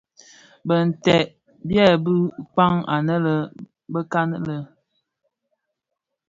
Bintèd nted byebi kpäg anë bekan lè.